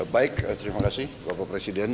baik terima kasih bapak presiden